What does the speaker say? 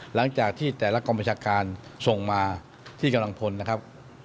หลังจากที่แต่ละกองประชาการส่งมาที่กำลังพลนะครับ